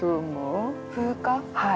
はい。